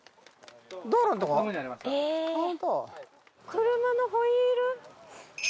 車のホイール？